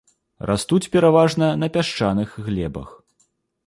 Растуць пераважна на пясчаных глебах.